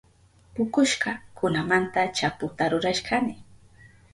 Pukushka kunamanta chaputa rurashkani.